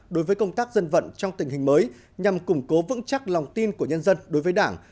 đối với công tác dân vận trong tình hình mới nhằm củng cố vững chắc lòng tin của nhân dân đối với đảng